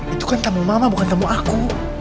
itu kan temu mama bukan tamu aku